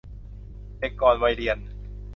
เด็กก่อนวัยเรียน